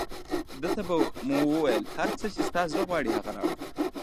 ده ته به مو ویل، هر څه چې ستا زړه غواړي هغه راوړه.